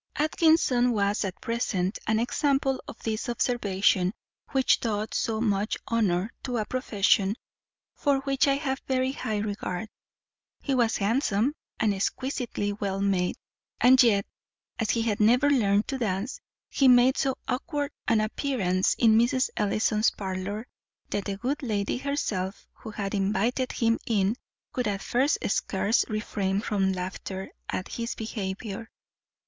Atkinson was, at present, an example of this observation which doth so much honour to a profession for which I have a very high regard. He was handsome, and exquisitely well made; and yet, as he had never learnt to dance, he made so awkward an appearance in Mrs. Ellison's parlour, that the good lady herself, who had invited him in, could at first scarce refrain from laughter at his behaviour.